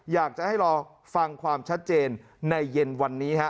อยากจะให้รอฟังความชัดเจนในเย็นวันนี้ฮะ